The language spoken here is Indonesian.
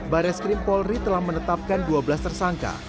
barreskrim polri telah menetapkan dua belas tersangka